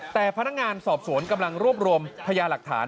แต่พนักงานสอบสวนกำลังรวบรวมพยาหลักฐาน